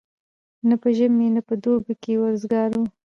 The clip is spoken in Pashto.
نه په ژمي نه په دوبي کي وزګار وو